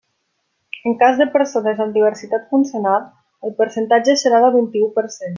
En cas de persones amb diversitat funcional el percentatge serà del vint-i-u per cent.